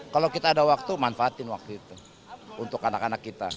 kalau kita ada waktu manfaatin waktu itu untuk anak anak kita